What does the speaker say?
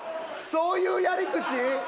そういうやり口？